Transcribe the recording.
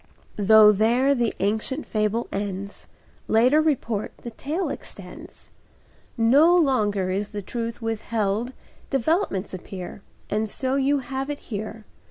Though there the ancient fable ends, Later report the tale extends, No longer is the truth withheld; Developments appear, And so you have it here.